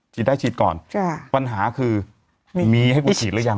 ได้ฉีดก่อนปัญหาคือมีให้กูฉีดหรือยัง